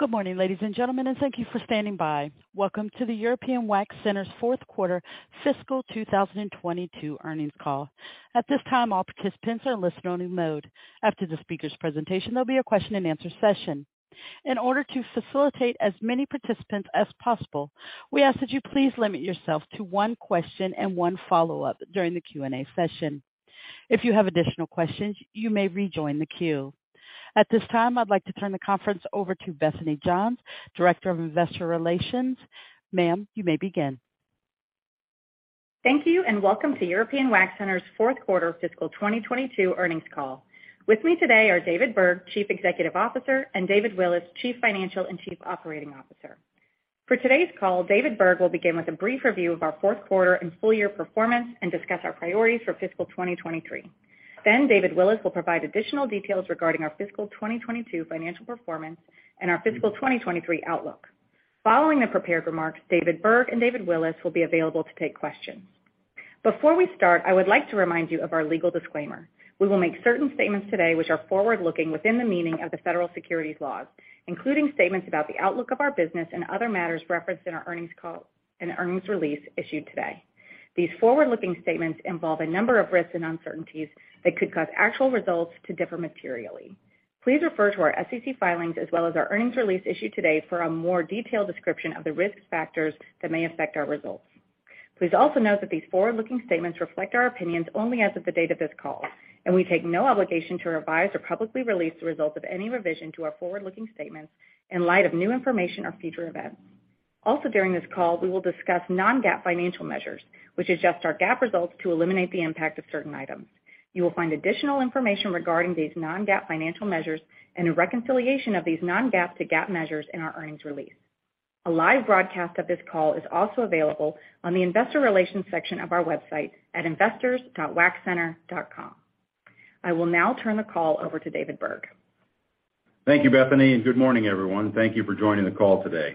Good morning, ladies and gentlemen, and thank you for standing by. Welcome to the European Wax Center's Fourth Quarter Fiscal 2022 Earnings Call. At this time, all participants are listed on mute mode. After the speaker's presentation, there'll be a question-and-answer session. In order to facilitate as many participants as possible, we ask that you please limit yourself to one question and one follow-up during the Q&A session. If you have additional questions, you may rejoin the queue. At this time, I'd like to turn the conference over to Bethany Johns, Director of Investor Relations. Ma'am, you may begin. Thank you, and welcome to European Wax Center's Fourth Quarter Fiscal 2022 Earnings Call. With me today are David Berg, Chief Executive Officer, and David Willis, Chief Financial and Chief Operating Officer. For today's call, David Berg will begin with a brief review of our fourth quarter and full year performance and discuss our priorities for fiscal 2023. David Willis will provide additional details regarding our fiscal 2022 financial performance and our fiscal 2023 outlook. Following the prepared remarks, David Berg and David Willis will be available to take questions. Before we start, I would like to remind you of our legal disclaimer. We will make certain statements today which are forward-looking within the meaning of the federal securities laws, including statements about the outlook of our business and other matters referenced in our earnings call and earnings release issued today. These forward-looking statements involve a number of risks and uncertainties that could cause actual results to differ materially. Please refer to our SEC filings as well as our earnings release issued today for a more detailed description of the risk factors that may affect our results. Please also note that these forward-looking statements reflect our opinions only as of the date of this call, and we take no obligation to revise or publicly release the results of any revision to our forward-looking statements in light of new information or future events. During this call, we will discuss non-GAAP financial measures, which adjust our GAAP results to eliminate the impact of certain items. You will find additional information regarding these non-GAAP financial measures and a reconciliation of these non-GAAP to GAAP measures in our earnings release. A live broadcast of this call is also available on the investor relations section of our website at investors.waxcenter.com. I will now turn the call over to David Berg. Thank you, Bethany. Good morning, everyone. Thank you for joining the call today.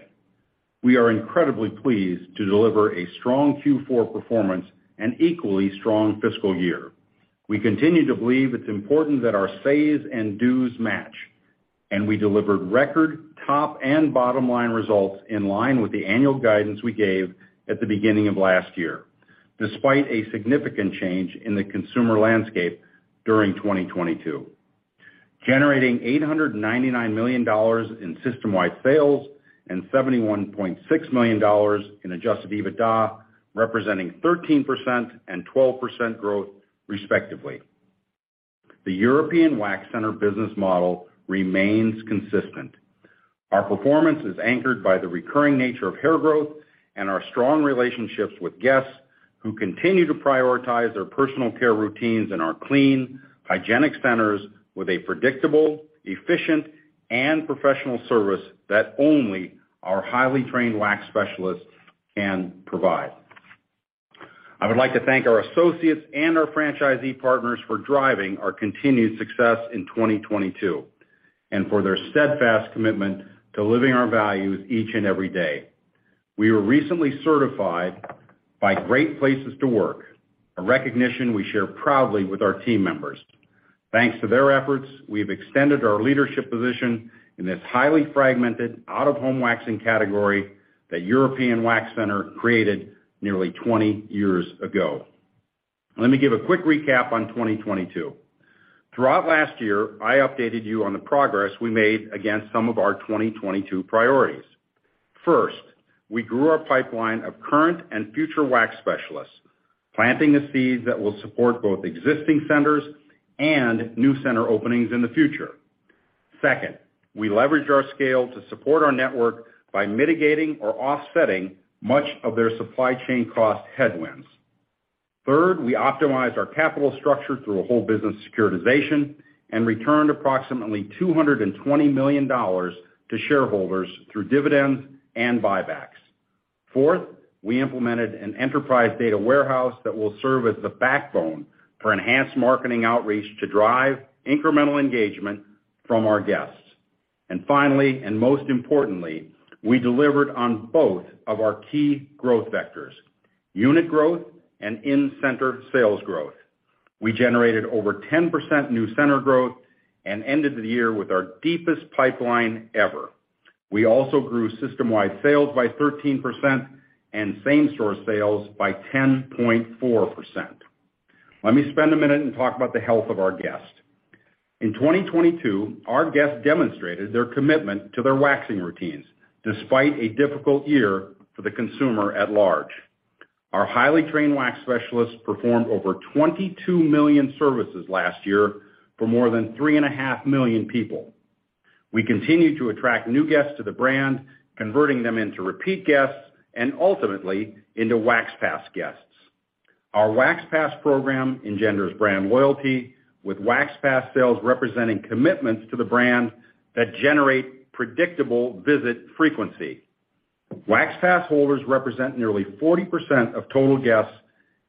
We are incredibly pleased to deliver a strong Q4 performance and equally strong fiscal year. We continue to believe it's important that our says and dos match. We delivered record top and bottom-line results in line with the annual guidance we gave at the beginning of last year, despite a significant change in the consumer landscape during 2022, generating $899 million in system-wide sales and $71.6 million in Adjusted EBITDA representing 13% and 12% growth, respectively. The European Wax Center business model remains consistent. Our performance is anchored by the recurring nature of hair growth and our strong relationships with guests who continue to prioritize their personal care routines in our clean, hygienic centers with a predictable, efficient, and professional service that only our highly trained wax specialists can provide. I would like to thank our associates and our franchisee partners for driving our continued success in 2022 and for their steadfast commitment to living our values each and every day. We were recently certified by Great Place To Work, a recognition we share proudly with our team members. Thanks to their efforts, we have extended our leadership position in this highly fragmented out-of-home waxing category that European Wax Center created nearly 20 years ago. Let me give a quick recap on 2022. Throughout last year, I updated you on the progress we made against some of our 2022 priorities. First, we grew our pipeline of current and future wax specialists, planting the seeds that will support both existing centers and new center openings in the future. Second, we leveraged our scale to support our network by mitigating or offsetting much of their supply chain cost headwinds. Third, we optimized our capital structure through a whole business securitization and returned approximately $220 million to shareholders through dividends and buybacks. Fourth, we implemented an enterprise data warehouse that will serve as the backbone for enhanced marketing outreach to drive incremental engagement from our guests. Finally, and most importantly, we delivered on both of our key growth vectors, unit growth and in-center sales growth. We generated over 10% new center growth and ended the year with our deepest pipeline ever. We also grew system-wide sales by 13% and same-store sales by 10.4%. Let me spend a minute and talk about the health of our guests. In 2022, our guests demonstrated their commitment to their waxing routines despite a difficult year for the consumer at large. Our highly trained wax specialists performed over 22 million services last year for more than 3.5 million people. We continue to attract new guests to the brand, converting them into repeat guests and ultimately into Wax Pass guests. Our Wax Pass program engenders brand loyalty, with Wax Pass sales representing commitments to the brand that generate predictable visit frequency. Wax Pass holders represent nearly 40% of total guests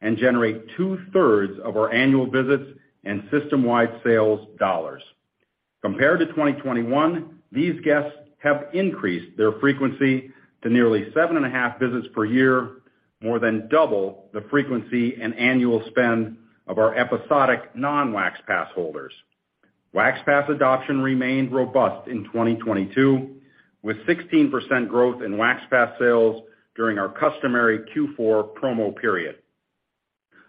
and generate 2/3 of our annual visits and system-wide sales dollars. Compared to 2021, these guests have increased their frequency to nearly 7.5 visits per year. More than double the frequency and annual spend of our episodic non-Wax Pass holders. Wax Pass adoption remained robust in 2022, with 16% growth in Wax Pass sales during our customary Q4 promo period.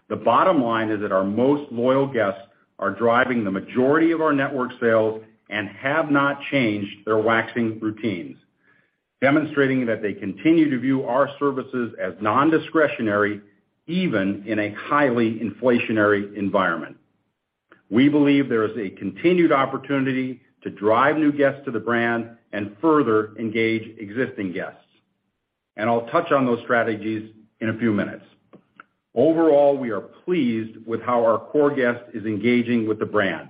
The bottom line is that our most loyal guests are driving the majority of our network sales and have not changed their waxing routines, demonstrating that they continue to view our services as nondiscretionary, even in a highly inflationary environment. I'll touch on those strategies in a few minutes. Overall, we are pleased with how our core guest is engaging with the brand.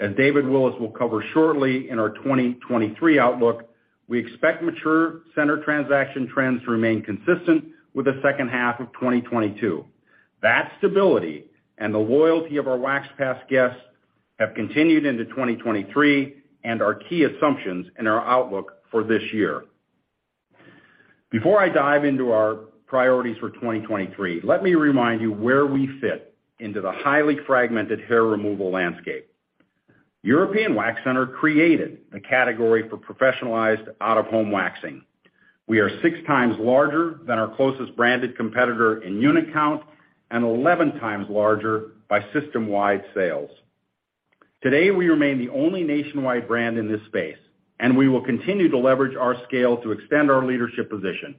As David Willis will cover shortly in our 2023 outlook, we expect mature center transaction trends to remain consistent with the second half of 2022. That stability and the loyalty of our Wax Pass guests have continued into 2023 and are key assumptions in our outlook for this year. Before I dive into our priorities for 2023, let me remind you where we fit into the highly fragmented hair removal landscape. European Wax Center created a category for professionalized out-of-home waxing. We are 6x larger than our closest branded competitor in unit count, and 11x larger by system-wide sales. Today, we remain the only nationwide brand in this space, and we will continue to leverage our scale to extend our leadership position.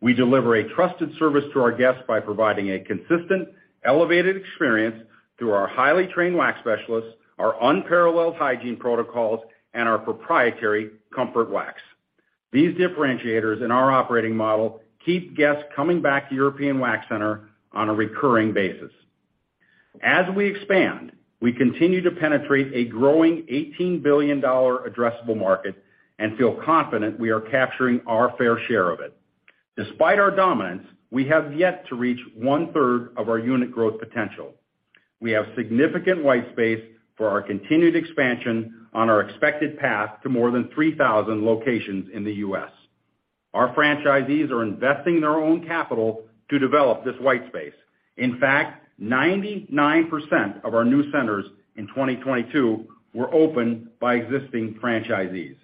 We deliver a trusted service to our guests by providing a consistent, elevated experience through our highly trained wax specialists, our unparalleled hygiene protocols, and our proprietary Comfort Wax. These differentiators in our operating model keep guests coming back to European Wax Center on a recurring basis. As we expand, we continue to penetrate a growing $18 billion addressable market and feel confident we are capturing our fair share of it. Despite our dominance, we have yet to reach 1/3 of our unit growth potential. We have significant white space for our continued expansion on our expected path to more than 3,000 locations in the U.S. Our franchisees are investing their own capital to develop this white space. In fact, 99% of our new centers in 2022 were opened by existing franchisees.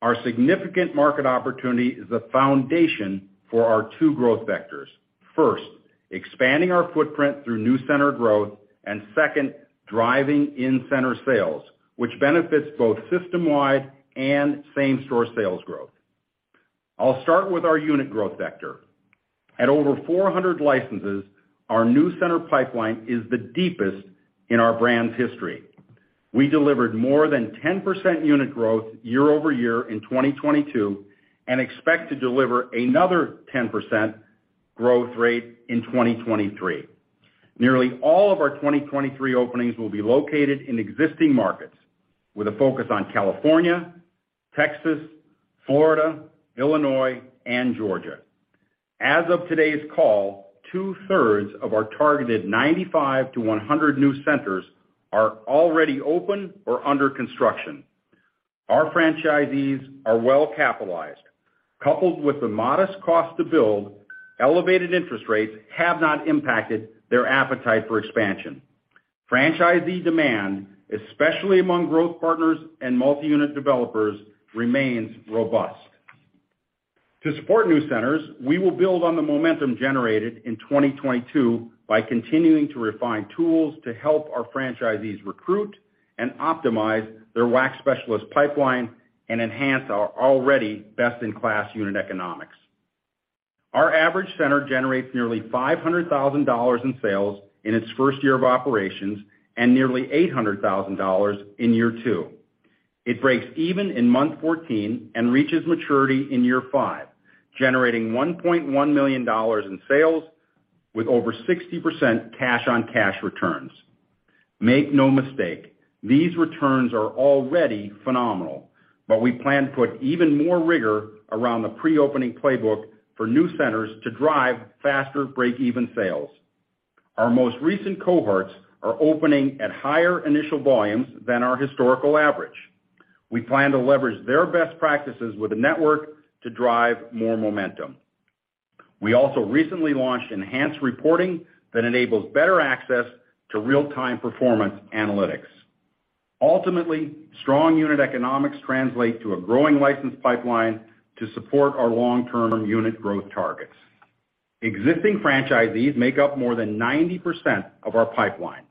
Our significant market opportunity is the foundation for our two growth vectors. First, expanding our footprint through new center growth, and second, driving in-center sales, which benefits both system-wide and same-store sales growth. I'll start with our unit growth vector. At over 400 licenses, our new center pipeline is the deepest in our brand's history. We delivered more than 10% unit growth year-over-year in 2022. Expect to deliver another 10% growth rate in 2023. Nearly all of our 2023 openings will be located in existing markets, with a focus on California, Texas, Florida, Illinois, and Georgia. As of today's call, two-thirds of our targeted 95-100 new centers are already open or under construction. Our franchisees are well-capitalized. Coupled with the modest cost to build, elevated interest rates have not impacted their appetite for expansion. Franchisee demand, especially among growth partners and multi-unit developers, remains robust. To support new centers, we will build on the momentum generated in 2022 by continuing to refine tools to help our franchisees recruit and optimize their wax specialist pipeline and enhance our already best-in-class unit economics. Our average center generates nearly $500,000 in sales in its first year of operations and nearly $800,000 in year two. It breaks even in month 14 and reaches maturity in year five, generating $1.1 million in sales with over 60% cash-on-cash returns. Make no mistake, these returns are already phenomenal, but we plan to put even more rigor around the pre-opening playbook for new centers to drive faster break-even sales. Our most recent cohorts are opening at higher initial volumes than our historical average. We plan to leverage their best practices with the network to drive more momentum. We also recently launched enhanced reporting that enables better access to real-time performance analytics. Ultimately, strong unit economics translate to a growing license pipeline to support our long-term unit growth targets. Existing franchisees make up more than 90% of our pipeline.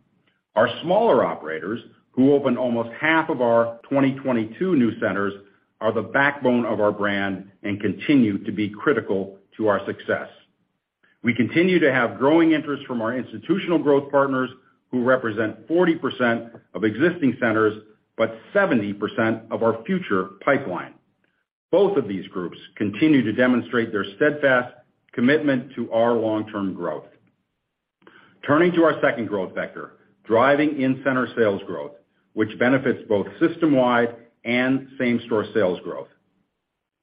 Our smaller operators, who opened almost half of our 2022 new centers, are the backbone of our brand and continue to be critical to our success. We continue to have growing interest from our institutional growth partners who represent 40% of existing centers, but 70% of our future pipeline. Both of these groups continue to demonstrate their steadfast commitment to our long-term growth. Turning to our second growth vector, driving in-center sales growth, which benefits both system-wide and same-store sales growth.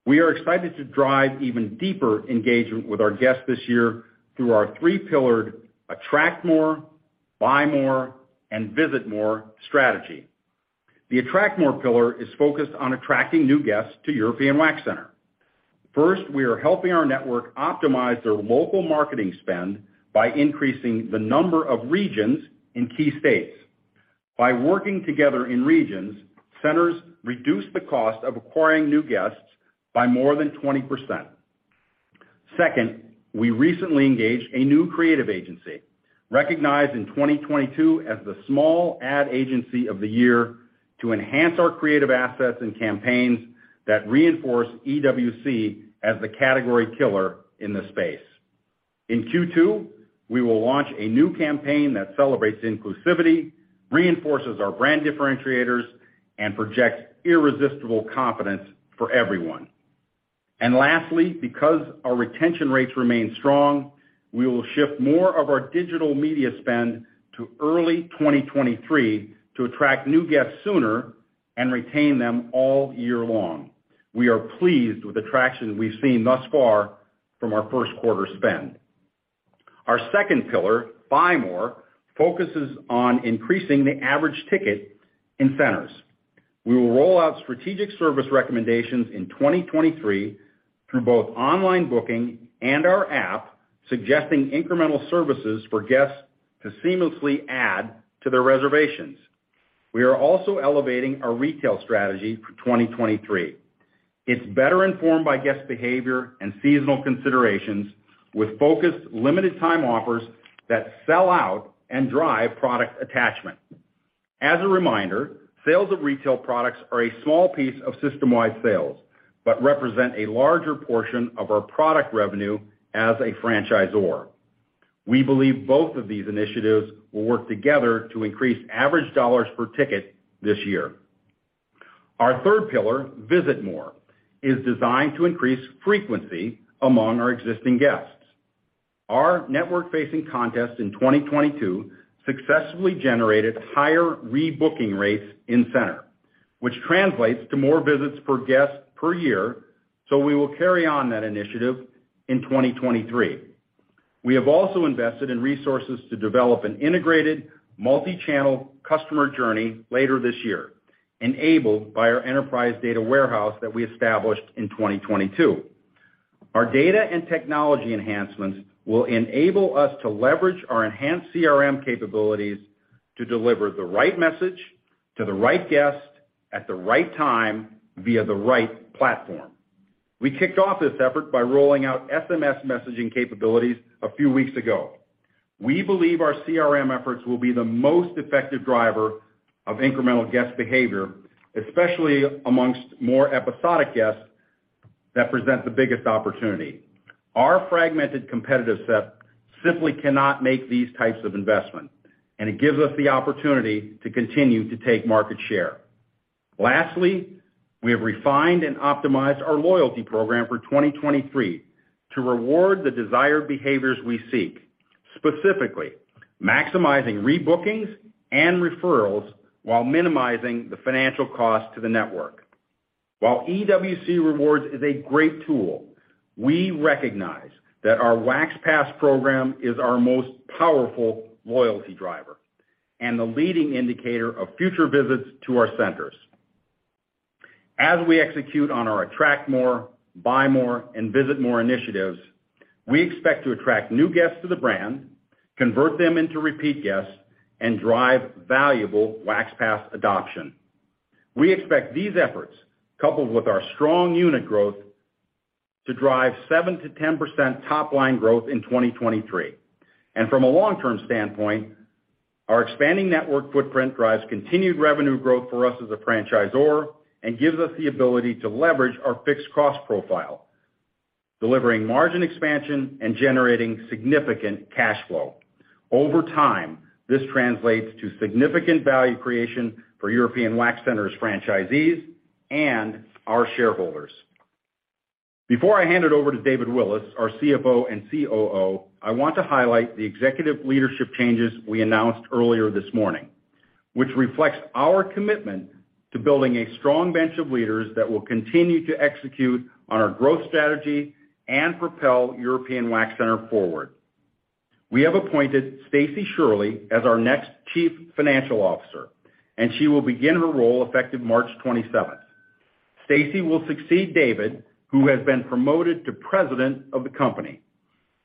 We are excited to drive even deeper engagement with our guests this year through our three-pillared Attract More, Buy More, and Visit More strategy. The Attract More pillar is focused on attracting new guests to European Wax Center. First, we are helping our network optimize their local marketing spend by increasing the number of regions in key states. By working together in regions, centers reduce the cost of acquiring new guests by more than 20%. Second, we recently engaged a new creative agency, recognized in 2022 as the small ad agency of the year, to enhance our creative assets and campaigns that reinforce EWC as the category killer in the space. In Q2, we will launch a new campaign that celebrates inclusivity, reinforces our brand differentiators, and projects irresistible confidence for everyone. Lastly, because our retention rates remain strong, we will shift more of our digital media spend to early 2023 to attract new guests sooner and retain them all year long. We are pleased with the traction we've seen thus far from our first quarter spend. Our second pillar, Buy More, focuses on increasing the average ticket in centers. We will roll out strategic service recommendations in 2023 through both online booking and our app, suggesting incremental services for guests to seamlessly add to their reservations. We are also elevating our retail strategy for 2023. It's better informed by guest behavior and seasonal considerations with focused limited time offers that sell out and drive product attachment. As a reminder, sales of retail products are a small piece of system-wide sales but represent a larger portion of our product revenue as a franchisor. We believe both of these initiatives will work together to increase average dollars per ticket this year. Our third pillar, Visit More, is designed to increase frequency among our existing guests. Our network-facing contest in 2022 successfully generated higher rebooking rates in-center, which translates to more visits per guest per year, so we will carry on that initiative in 2023. We have also invested in resources to develop an integrated multi-channel customer journey later this year, enabled by our enterprise data warehouse that we established in 2022. Our data and technology enhancements will enable us to leverage our enhanced CRM capabilities to deliver the right message to the right guest at the right time via the right platform. We kicked off this effort by rolling out SMS messaging capabilities a few weeks ago. We believe our CRM efforts will be the most effective driver of incremental guest behavior, especially amongst more episodic guests that present the biggest opportunity. Our fragmented competitive set simply cannot make these types of investment, it gives us the opportunity to continue to take market share. Lastly, we have refined and optimized our loyalty program for 2023 to reward the desired behaviors we seek, specifically maximizing rebookings and referrals while minimizing the financial cost to the network. While EWC Rewards is a great tool, we recognize that our Wax Pass program is our most powerful loyalty driver and the leading indicator of future visits to our centers. As we execute on our Attract More, Buy More, and Visit More initiatives, we expect to attract new guests to the brand, convert them into repeat guests, and drive valuable Wax Pass adoption. We expect these efforts, coupled with our strong unit growth, to drive 7%-10% top-line growth in 2023. From a long-term standpoint, our expanding network footprint drives continued revenue growth for us as a franchisor and gives us the ability to leverage our fixed cost profile, delivering margin expansion and generating significant cash flow. Over time, this translates to significant value creation for European Wax Center's franchisees and our shareholders. Before I hand it over to David Willis, our CFO and COO, I want to highlight the executive eadership changes we announced earlier this morning, which reflects our commitment to building a strong bench of leaders that will continue to execute on our growth strategy and propel European Wax Center forward. We have appointed Stacie Shirley as our next Chief Financial Officer, and she will begin her role effective March 27th. Stacie will succeed David, who has been promoted to President of the company.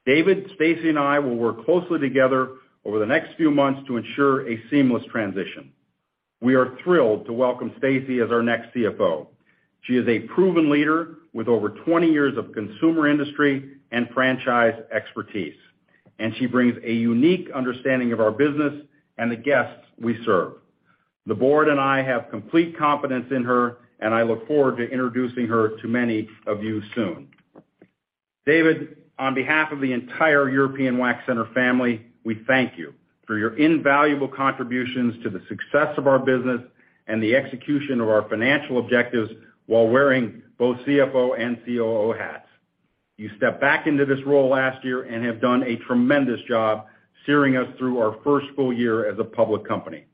David, Stacie, and I will work closely together over the next few months to ensure a seamless transition. We are thrilled to welcome Stacie as our next CFO. She is a proven leader with over 20 years of consumer industry and franchise expertise, and she brings a unique understanding of our business and the guests we serve. The board and I have complete confidence in her, and I look forward to introducing her to many of you soon. David, on behalf of the entire European Wax Center family, we thank you for your invaluable contributions to the success of our business and the execution of our financial objectives while wearing both CFO and COO hats. You stepped back into this role last year and have done a tremendous job steering us through our first full year as a public company.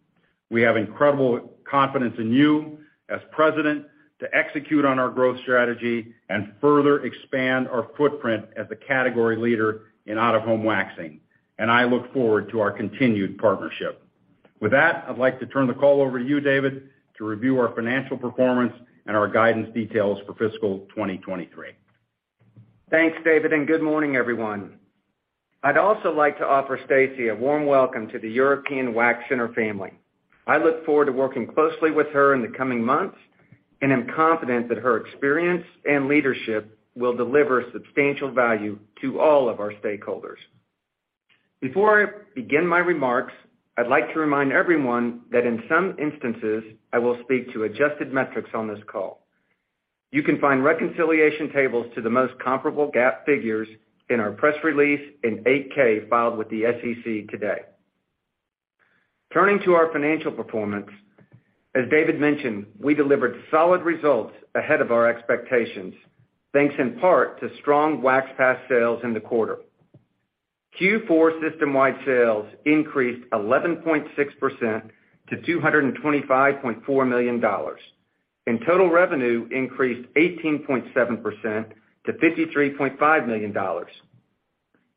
We have incredible confidence in you, as President, to execute on our growth strategy and further expand our footprint as a category leader in out-of-home waxing, and I look forward to our continued partnership. With that, I'd like to turn the call over to you, David, to review our financial performance and our guidance details for fiscal 2023. Thanks, David. Good morning, everyone. I'd also like to offer Stacie a warm welcome to the European Wax Center family. I look forward to working closely with her in the coming months, and am confident that her experience and leadership will deliver substantial value to all of our stakeholders. Before I begin my remarks, I'd like to remind everyone that in some instances, I will speak to adjusted metrics on this call. You can find reconciliation tables to the most comparable GAAP figures in our press release in 8-K filed with the SEC today. Turning to our financial performance, as David mentioned, we delivered solid results ahead of our expectations, thanks in part to strong Wax Pass sales in the quarter. Q4 system-wide sales increased 11.6% to $225.4 million, and total revenue increased 18.7% to $53.5 million.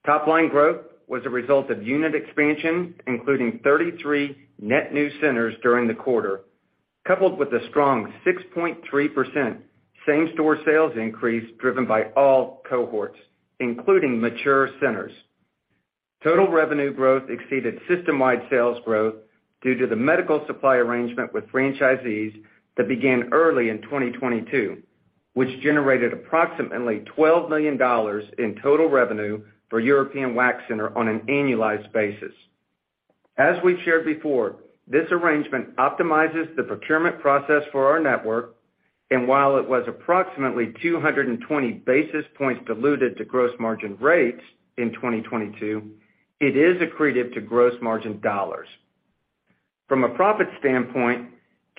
Top line growth was a result of unit expansion, including 33 net new centers during the quarter, coupled with a strong 6.3% same-store sales increase driven by all cohorts, including mature centers. Total revenue growth exceeded system-wide sales growth due to the medical supply arrangement with franchisees that began early in 2022, which generated approximately $12 million in total revenue for European Wax Center on an annualized basis. As we've shared before, this arrangement optimizes the procurement process for our network, and while it was approximately 220 basis points diluted to gross margin rates in 2022, it is accretive to gross margin dollars. From a profit standpoint,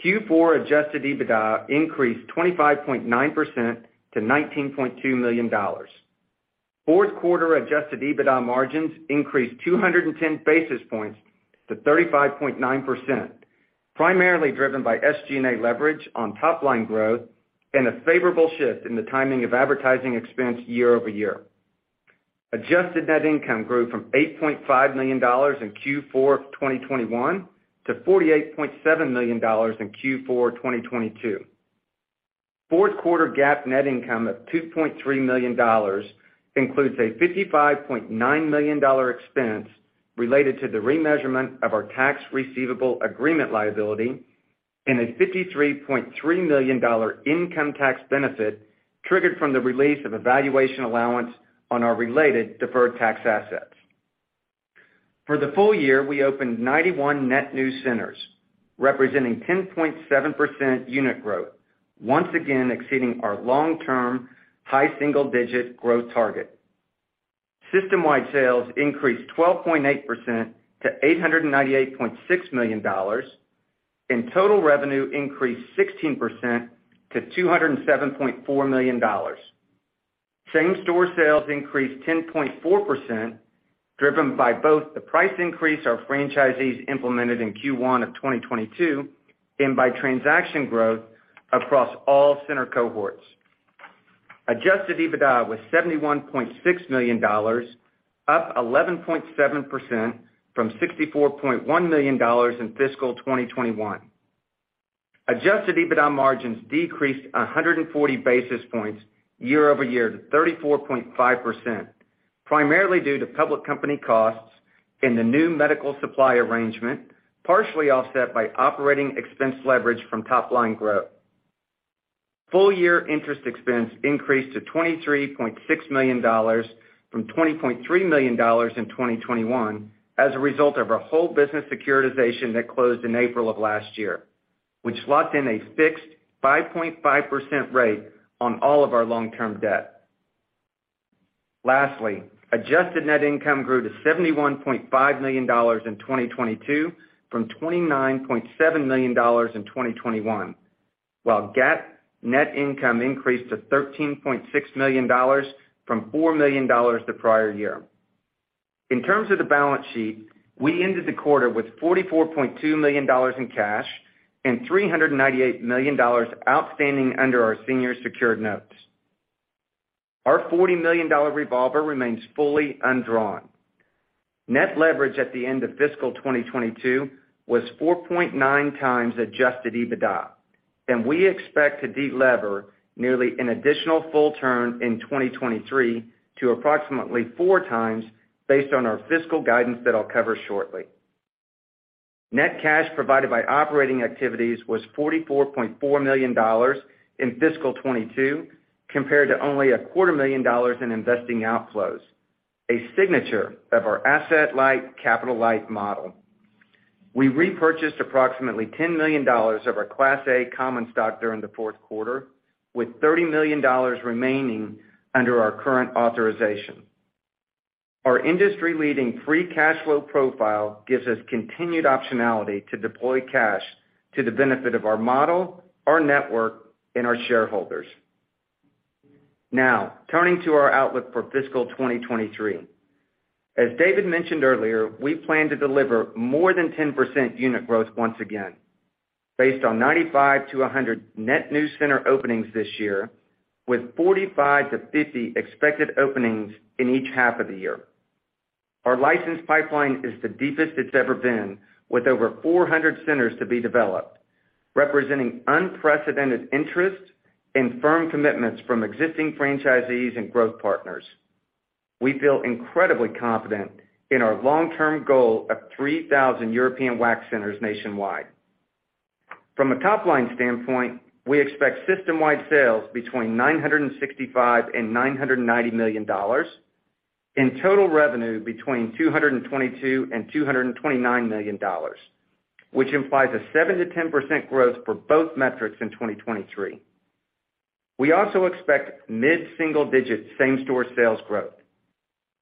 Q4 Adjusted EBITDA increased 25.9% to $19.2 million. Fourth quarter Adjusted EBITDA margins increased 210 basis points to 35.9%, primarily driven by SG&A leverage on top line growth and a favorable shift in the timing of advertising expense year-over-year. Adjusted net income grew from $8.5 million in Q4 of 2021 to $48.7 million in Q4 2022. Fourth quarter GAAP net income of $2.3 million includes a $55.9 million expense related to the remeasurement of our tax receivable agreement liability and a $53.3 million income tax benefit triggered from the release of a valuation allowance on our related deferred tax assets. For the full year, we opened 91 net new centers, representing 10.7% unit growth, once again exceeding our long-term high single-digit growth target. System-wide sales increased 12.8% to $898.6 million. Total revenue increased 16% to $207.4 million. Same-store sales increased 10.4%, driven by both the price increase our franchisees implemented in Q1 of 2022 and by transaction growth across all center cohorts. Adjusted EBITDA was $71.6 million, up 11.7% from $64.1 million in fiscal 2021. Adjusted EBITDA margins decreased 140 basis points year-over-year to 34.5%, primarily due to public company costs in the new medical supply arrangement, partially offset by operating expense leverage from top line growth. Full year interest expense increased to $23.6 million from $20.3 million in 2021 as a result of our whole business securitization that closed in April of last year, which locked in a fixed 5.5% rate on all of our long-term debt. Lastly, adjusted net income grew to $71.5 million in 2022 from $29.7 million in 2021, while GAAP net income increased to $13.6 million from $4 million the prior year. In terms of the balance sheet, we ended the quarter with $44.2 million in cash and $398 million outstanding under our senior secured notes. Our $40 million revolver remains fully undrawn. Net leverage at the end of fiscal 2022 was 4.9x Adjusted EBITDA. We expect to de-lever nearly an additional full term in 2023 to approximately 4x based on our fiscal guidance that I'll cover shortly. Net cash provided by operating activities was $44.4 million in fiscal 2022, compared to only a quarter million dollars in investing outflows, a signature of our asset-light, capital-light model. We repurchased approximately $10 million of our Class A common stock during the fourth quarter, with $30 million remaining under our current authorization. Our industry-leading free cash flow profile gives us continued optionality to deploy cash to the benefit of our model, our network, and our shareholders. Now turning to our outlook for fiscal 2023. As David mentioned earlier, we plan to deliver more than 10% unit growth once again based on 95-100 net new center openings this year, with 45-50 expected openings in each half of the year. Our license pipeline is the deepest it's ever been, with over 400 centers to be developed, representing unprecedented interest and firm commitments from existing franchisees and growth partners. We feel incredibly confident in our long-term goal of 3,000 European Wax Centers nationwide. From a top-line standpoint, we expect system-wide sales between $965 million and $990 million, and total revenue between $222 million and $229 million, which implies a 7%-10% growth for both metrics in 2023. We also expect mid-single-digit same-store sales growth.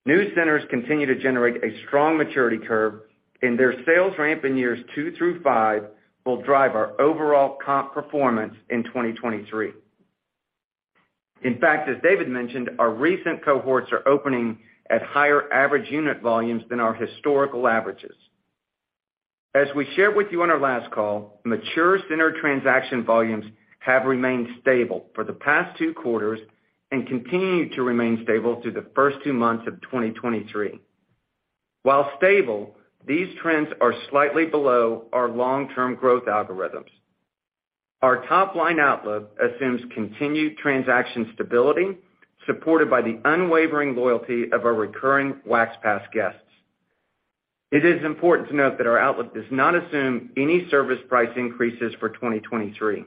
New centers continue to generate a strong maturity curve. Their sales ramp in years 2 through 5 will drive our overall comp performance in 2023. In fact, as David mentioned, our recent cohorts are opening at higher average unit volumes than our historical averages. As we shared with you on our last call, mature center transaction volumes have remained stable for the past 2 quarters and continue to remain stable through the first 2 months of 2023. While stable, these trends are slightly below our long-term growth algorithms. Our top-line outlook assumes continued transaction stability, supported by the unwavering loyalty of our recurring Wax Pass guests. It is important to note that our outlook does not assume any service price increases for 2023.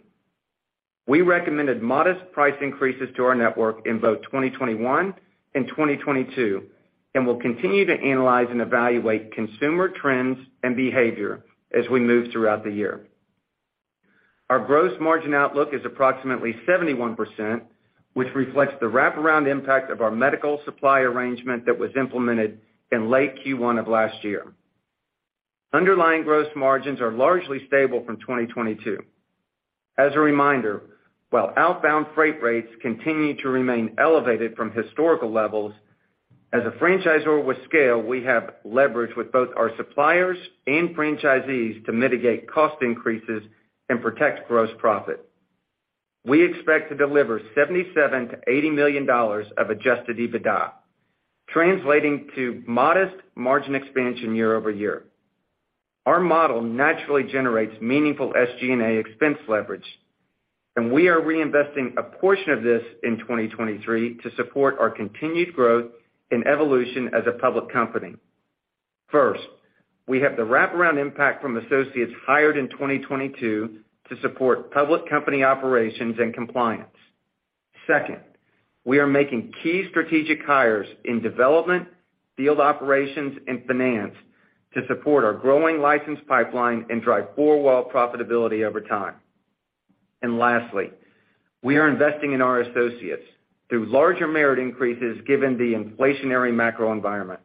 We recommended modest price increases to our network in both 2021 and 2022. We'll continue to analyze and evaluate consumer trends and behavior as we move throughout the year. Our gross margin outlook is approximately 71%, which reflects the wraparound impact of our medical supply arrangement that was implemented in late Q1 of last year. Underlying gross margins are largely stable from 2022. As a reminder, while outbound freight rates continue to remain elevated from historical levels, as a franchisor with scale, we have leverage with both our suppliers and franchisees to mitigate cost increases and protect gross profit. We expect to deliver $77 million-$80 million of adjusted EBITDA, translating to modest margin expansion year-over-year. Our model naturally generates meaningful SG&A expense leverage. We are reinvesting a portion of this in 2023 to support our continued growth and evolution as a public company. First, we have the wraparound impact from associates hired in 2022 to support public company operations and compliance. Second, we are making key strategic hires in development, field operations, and finance to support our growing license pipeline and drive four-wall profitability over time. Lastly, we are investing in our associates through larger merit increases given the inflationary macro environment.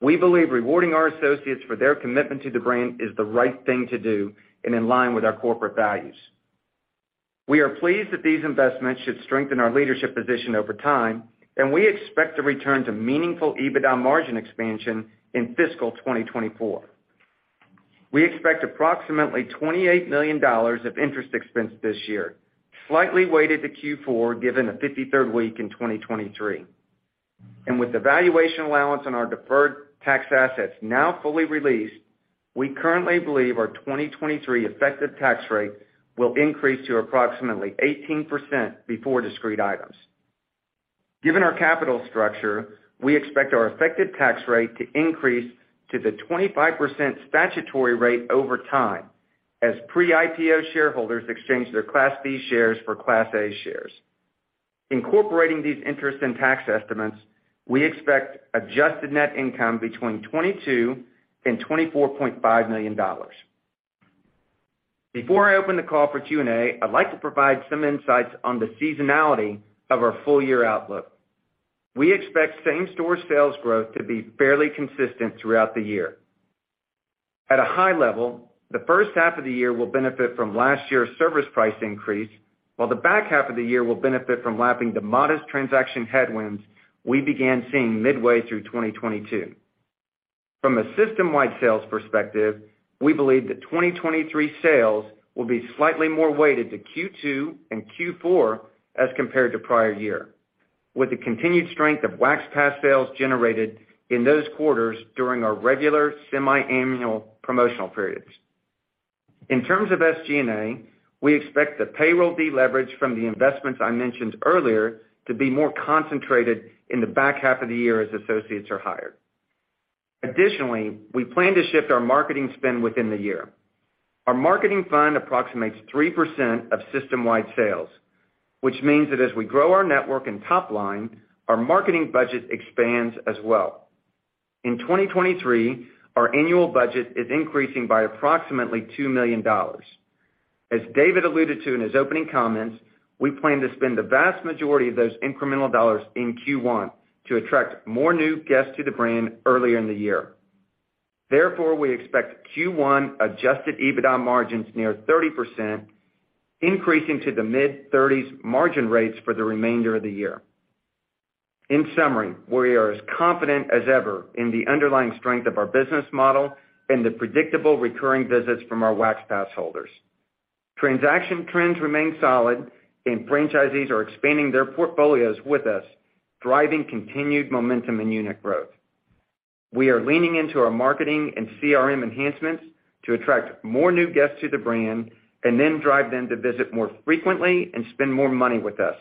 We believe rewarding our associates for their commitment to the brand is the right thing to do and in line with our corporate values. We are pleased that these investments should strengthen our leadership position over time, and we expect to return to meaningful EBITDA margin expansion in fiscal 2024. We expect approximately $28 million of interest expense this year, slightly weighted to Q4, given a 53rd week in 2023. With the valuation allowance on our deferred tax assets now fully released, we currently believe our 2023 effective tax rate will increase to approximately 18% before discrete items. Given our capital structure, we expect our effective tax rate to increase to the 25% statutory rate over time as pre-IPO shareholders exchange their Class B shares for Class A shares. Incorporating these interest and tax estimates, we expect adjusted net income between $22 million and $24.5 million. Before I open the call for Q&A, I'd like to provide some insights on the seasonality of our full year outlook. We expect same-store sales growth to be fairly consistent throughout the year. At a high level, the first half of the year will benefit from last year's service price increase, while the back half of the year will benefit from lapping the modest transaction headwinds we began seeing midway through 2022. From a system-wide sales perspective, we believe that 2023 sales will be slightly more weighted to Q2 and Q4 as compared to prior year, with the continued strength of Wax Pass sales generated in those quarters during our regular semi-annual promotional periods. In terms of SG&A, we expect the payroll deleverage from the investments I mentioned earlier to be more concentrated in the back half of the year as associates are hired. Additionally, we plan to shift our marketing spend within the year. Our marketing fund approximates 3% of system-wide sales, which means that as we grow our network and top line, our marketing budget expands as well. In 2023, our annual budget is increasing by approximately $2 million. As David alluded to in his opening comments, we plan to spend the vast majority of those incremental dollars in Q1 to attract more new guests to the brand earlier in the year. We expect Q1 Adjusted EBITDA margins near 30%, increasing to the mid-30s margin rates for the remainder of the year. In summary, we are as confident as ever in the underlying strength of our business model and the predictable recurring visits from our Wax Pass holders. Transaction trends remain solid. Franchisees are expanding their portfolios with us, driving continued momentum in unit growth. We are leaning into our marketing and CRM enhancements to attract more new guests to the brand and then drive them to visit more frequently and spend more money with us.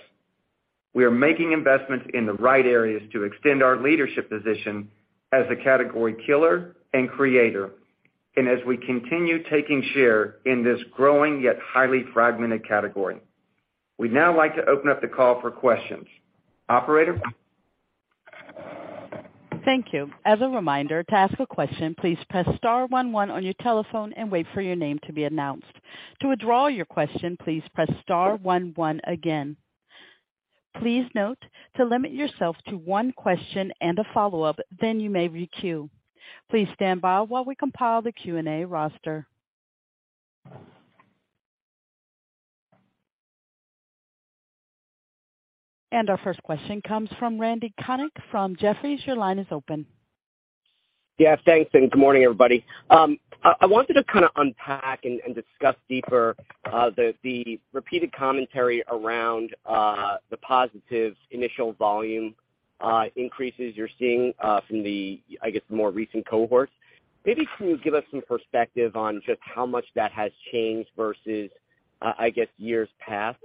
We are making investments in the right areas to extend our leadership position as a category killer and creator and as we continue taking share in this growing yet highly fragmented category. We'd now like to open up the call for questions. Operator? Thank you. As a reminder, to ask a question, please press star one one on your telephone and wait for your name to be announced. To withdraw your question, please press star one one again. Please note to limit yourself to one question and a follow-up, then you may queue. Please stand by while we compile the Q&A roster. Our first question comes from Randy Konik from Jefferies. Your line is open. Yeah, thanks, good morning, everybody. I wanted to kind of unpack and discuss deeper the repeated commentary around the positive initial volume increases you're seeing from the, I guess, more recent cohorts. Maybe can you give us some perspective on just how much that has changed versus, I guess, years past?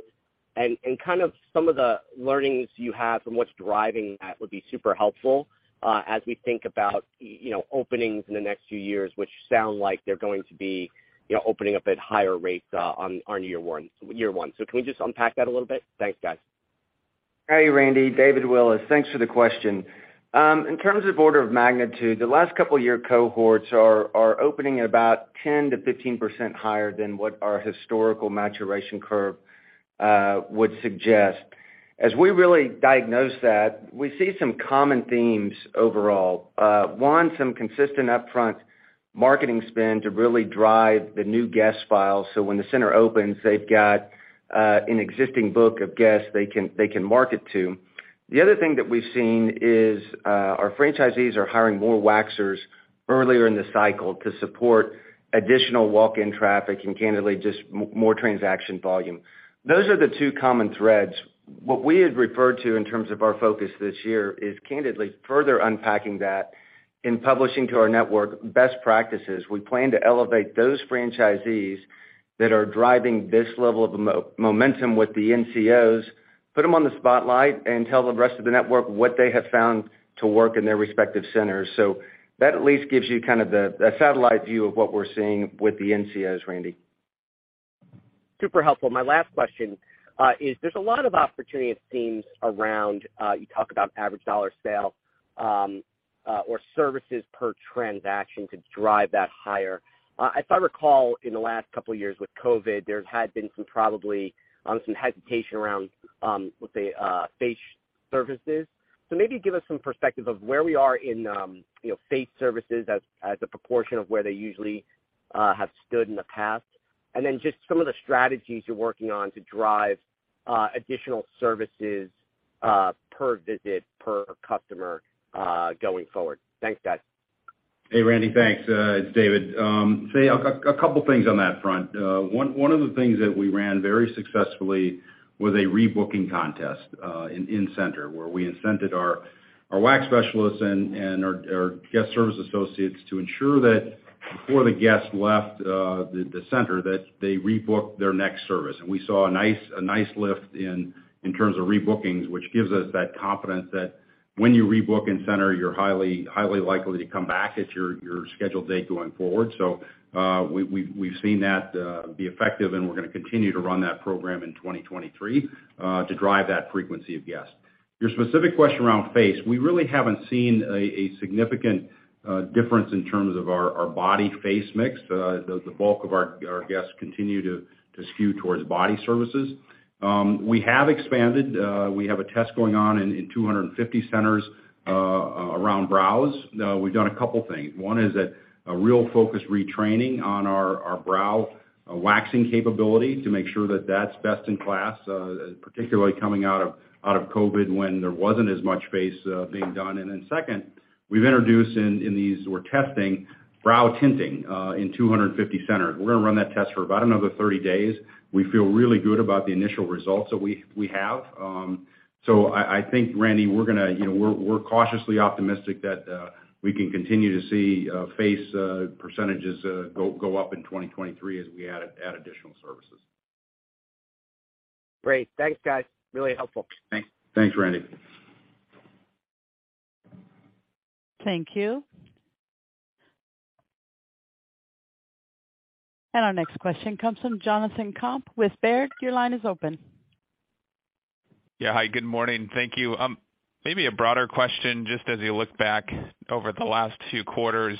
Kind of some of the learnings you have and what's driving that would be super helpful as we think about, you know, openings in the next few years, which sound like they're going to be, you know, opening up at higher rates on year one. Can we just unpack that a little bit? Thanks, guys. Hey, Randy. David Willis. Thanks for the question. In terms of order of magnitude, the last couple year cohorts are opening at about 10%-15% higher than what our historical maturation curve would suggest. As we really diagnose that, we see some common themes overall. One, some consistent upfront marketing spend to really drive the new guest files, so when the center opens, they've got an existing book of guests they can market to. The other thing that we've seen is our franchisees are hiring more waxers earlier in the cycle to support additional walk-in traffic and candidly just more transaction volume. Those are the 2 common threads. What we had referred to in terms of our focus this year is candidly further unpacking that in publishing to our network best practices. We plan to elevate those franchisees that are driving this level of momentum with the NCOs, put them on the spotlight and tell the rest of the network what they have found to work in their respective centers. That at least gives you kind of the satellite view of what we're seeing with the NCOs, Randy. Super helpful. My last question. There's a lot of opportunity, it seems, around you talk about average dollar sale or services per transaction to drive that higher. If I recall, in the last couple of years with COVID, there had been some probably some hesitation around, let's say, face services. Maybe give us some perspective of where we are in, you know, face services as a proportion of where they usually have stood in the past. Then just some of the strategies you're working on to drive additional services per visit, per customer going forward. Thanks, guys. Hey, Randy, thanks. It's David. A couple things on that front. One of the things that we ran very successfully was a rebooking contest in center, where we incented our wax specialists and our Guest Services Associates to ensure that before the guest left the center, that they rebook their next service. We saw a nice lift in terms of rebookings, which gives us that confidence that when you rebook in center, you're highly likely to come back at your scheduled date going forward. We've seen that be effective, and we're gonna continue to run that program in 2023 to drive that frequency of guests. Your specific question around face, we really haven't seen a significant difference in terms of our body face mix. The bulk of our guests continue to skew towards body services. We have expanded. We have a test going on in 250 centers around brows. We've done a couple things. One is that a real focused retraining on our brow waxing capability to make sure that that's best in class, particularly coming out of COVID when there wasn't as much face being done. Then second, we've introduced in these, we're testing brow tinting in 250 centers. We're gonna run that test for about another 30 days. We feel really good about the initial results that we have. I think, Randy, we're gonna cautiously optimistic that we can continue to see face percentages go up in 2023 as we add additional services. Great. Thanks, guys. Really helpful. Thanks. Thanks, Randy. Our next question comes from Jonathan Komp with Baird. Your line is open. Yeah. Hi, good morning. Thank you. Maybe a broader question, just as you look back over the last few quarters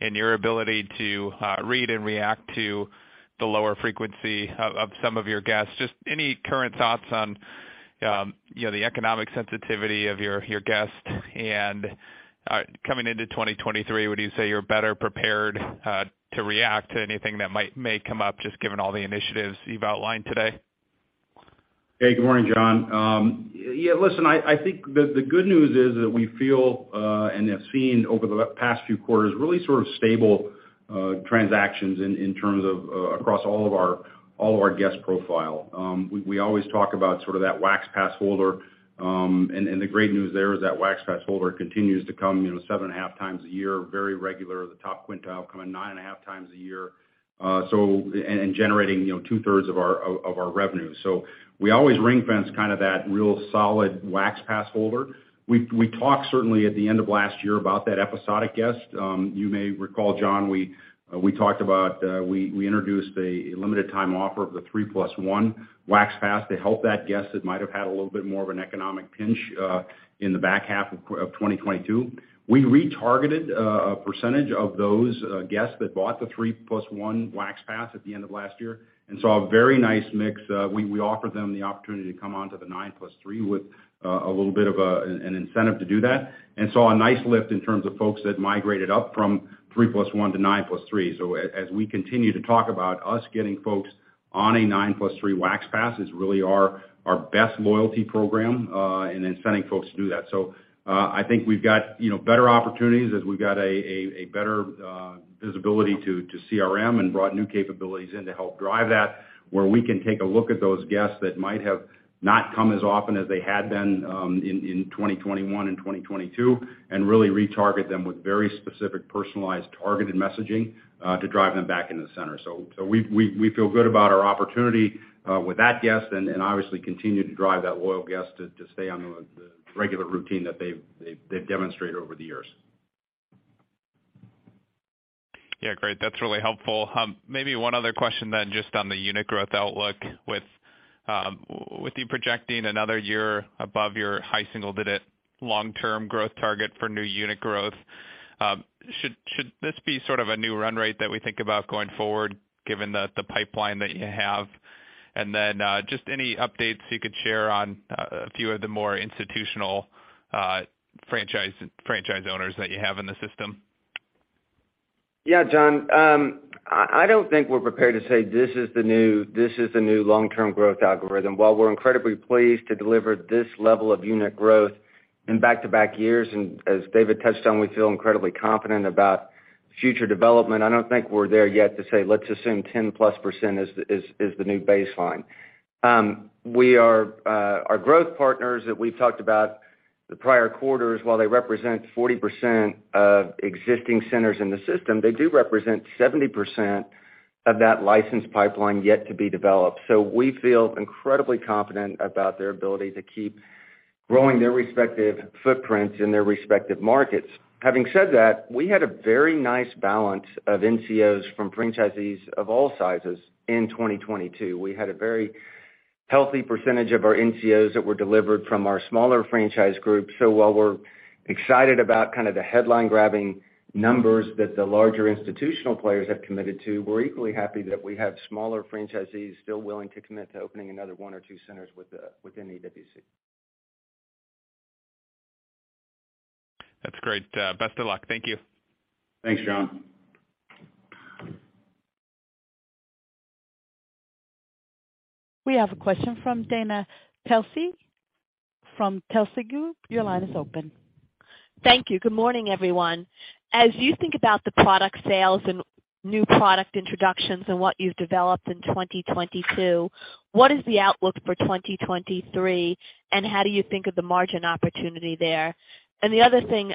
and your ability to read and react to the lower frequency of some of your guests. Just any current thoughts on, you know, the economic sensitivity of your guests. And coming into 2023, would you say you're better prepared to react to anything that may come up, just given all the initiatives you've outlined today? Hey, good morning, John. Yeah, listen, I think the good news is that we feel and have seen over the past few quarters, really sort of stable transactions in terms of across all of our guest profile. We always talk about sort of that Wax Pass holder, and the great news there is that Wax Pass holder continues to come, you know, 7.5 times a year, very regular. The top quintile come in 9.5 times a year. Generating, you know, 2/3 of our revenue. We always ring-fence kind of that real solid Wax Pass holder. We talked certainly at the end of last year about that episodic guest. You may recall, John, we talked about, we introduced a limited time offer of the 3 + 1 Wax Pass to help that guest that might have had a little bit more of an economic pinch in the back half of 2022. We retargeted a percentage of those guests that bought the 3 + 1 Wax Pass at the end of last year and saw a very nice mix. We offered them the opportunity to come onto the 9 + 3 with a little bit of an incentive to do that and saw a nice lift in terms of folks that migrated up from 3 + 1 to 9 + 3. As we continue to talk about us getting folks on a 9 + 3 Wax Pass is really our best loyalty program in inciting folks to do that. I think we've got, you know, better opportunities as we've got a better visibility to CRM and brought new capabilities in to help drive that, where we can take a look at those guests that might have not come as often as they had been in 2021 and 2022, and really retarget them with very specific, personalized, targeted messaging to drive them back into the center. We feel good about our opportunity with that guest and obviously continue to drive that loyal guest to stay on the regular routine that they've demonstrated over the years. Yeah, great. That's really helpful. Maybe one other question then just on the unit growth outlook. With, with you projecting another year above your high single-digit long-term growth target for new unit growth, should this be sort of a new run rate that we think about going forward, given the pipeline that you have? Just any updates you could share on a few of the more institutional franchise owners that you have in the system? Yeah, John. I don't think we're prepared to say, this is the new long-term growth algorithm. While we're incredibly pleased to deliver this level of unit growth in back-to-back years, and as David touched on, we feel incredibly confident about future development, I don't think we're there yet to say, let's assume 10+% is the new baseline. We are, our growth partners that we've talked about the prior quarters, while they represent 40% of existing centers in the system, they do represent 70% of that licensed pipeline yet to be developed. We feel incredibly confident about their ability to keep growing their respective footprints in their respective markets. Having said that, we had a very nice balance of NCOs from franchisees of all sizes in 2022. We had a very healthy percentage of our NCOs that were delivered from our smaller franchise groups. While we're excited about kind of the headline-grabbing numbers that the larger institutional players have committed to, we're equally happy that we have smaller franchisees still willing to commit to opening another one or two centers within. That's great. Best of luck. Thank you. Thanks, John. We have a question from Dana Telsey from Telsey Group. Your line is open. Thank you. Good morning, everyone. As you think about the product sales and new product introductions and what you've developed in 2022, what is the outlook for 2023, and how do you think of the margin opportunity there? The other thing,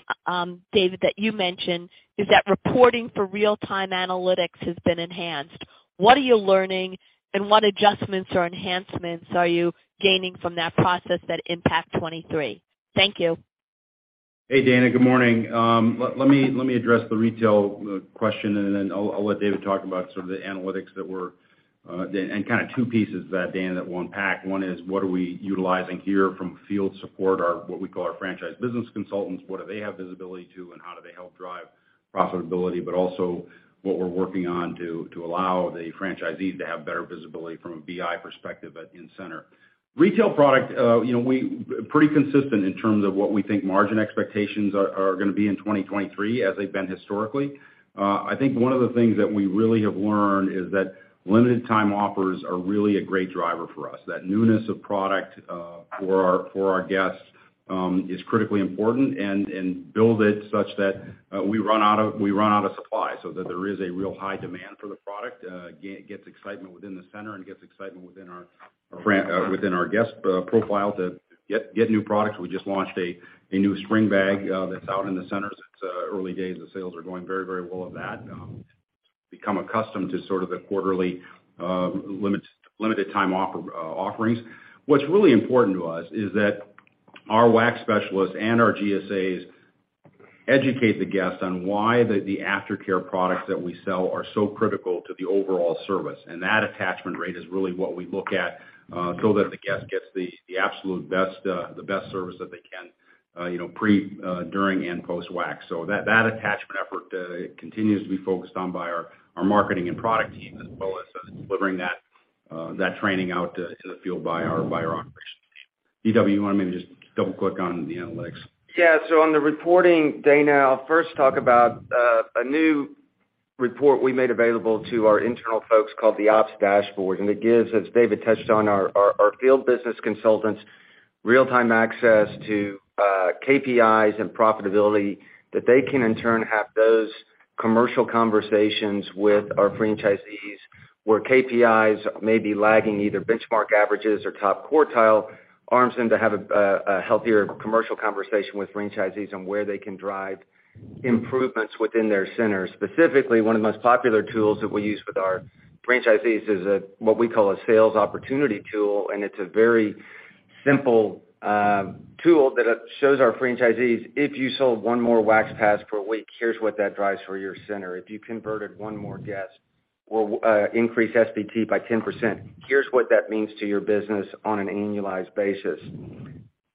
David, that you mentioned is that reporting for real-time analytics has been enhanced. What are you learning, and what adjustments or enhancements are you gaining from that process that impact 2023? Thank you. Hey, Dana. Good morning. Let me address the retail question, and then I'll let David talk about sort of the analytics that we're and kind of two pieces that, Dana, that we'll unpack. One is what are we utilizing here from field support, our, what we call our Franchise Business Consultants, what do they have visibility to, and how do they help drive profitability? Also what we're working on to allow the franchisees to have better visibility from a BI perspective at in-center. Retail product, you know, we pretty consistent in terms of what we think margin expectations are gonna be in 2023, as they've been historically. I think one of the things that we really have learned is that limited time offers are really a great driver for us. That newness of product for our guests is critically important and build it such that we run out of supply, so that there is a real high demand for the product. gets excitement within the center and gets excitement within our guest profile to get new products. We just launched a new spring bag that's out in the centers. It's early days. The sales are going very well of that. become accustomed to sort of the quarterly limited time offer offerings. What's really important to us is that our WAX specialists and our GSAs educate the guests on why the aftercare products that we sell are so critical to the overall service. That attachment rate is really what we look at, so that the guest gets the absolute best, the best service that they can. You know, pre, during and post-wax. That, that attachment effort continues to be focused on by our marketing and product team, as well as delivering that training out to the field by our, by our operations team. DW, you want me to just double click on the analytics? Yeah. On the reporting, Dana, I'll first talk about a new report we made available to our internal folks called the Ops Dashboard, and it gives, as David touched on, our Franchise Business Consultants real-time access to KPIs and profitability that they can in turn have those commercial conversations with our franchisees where KPIs may be lagging either benchmark averages or top quartile, arms them to have a healthier commercial conversation with franchisees on where they can drive improvements within their centers. Specifically, one of the most popular tools that we use with our franchisees is what we call a sales opportunity tool, and it's a very simple tool that shows our franchisees, if you sold one more Wax Pass per week, here's what that drives for your center. If you converted one more guest, we'll increase SPT by 10%. Here's what that means to your business on an annualized basis.